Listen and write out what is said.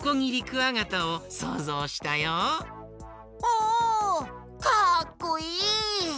おかっこいい！